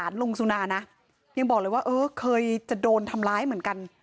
ที่จะโดนทำร้ายเหมือนกัน